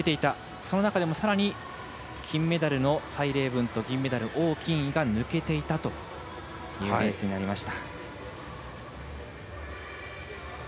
その中でもさらに金メダルの蔡麗ぶんと銀メダル、王欣怡が抜けていたというレースになりました。